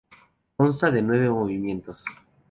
Consta de nueve movimientos.